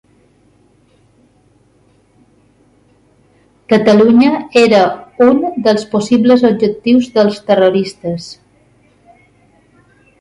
Catalunya era un dels possibles objectius dels terroristes.